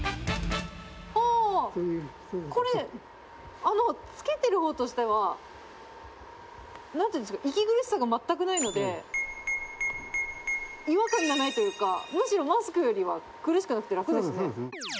これ、つけてるほうとしては息苦しさが全くないので違和感がないというか、むしろマスクよりは苦しくなくて、楽ですね。